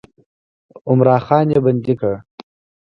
عمرا خان یې بندي کړ.